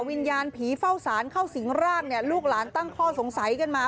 วิญญาณผีเฝ้าสารเข้าสิงร่างเนี่ยลูกหลานตั้งข้อสงสัยกันมา